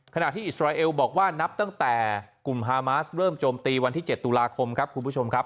ขณะที่อิสราเอลบอกว่านับตั้งแต่กลุ่มฮามาสเริ่มโจมตีวันที่๗ตุลาคมครับคุณผู้ชมครับ